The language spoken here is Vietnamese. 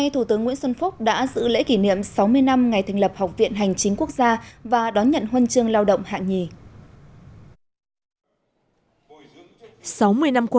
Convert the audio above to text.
thủ tướng nguyễn xuân phúc đã giữ lễ kỷ niệm sáu mươi năm